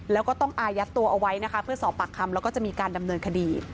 แล้วก็ต้องอายัดตัวเอาไว้นะคะเพื่อสอบปากคำแล้วก็จะมีการดำเนินคดี